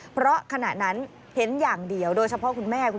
เพราะขณะนั้นเห็นอย่างเดียวโดยเฉพาะคุณแม่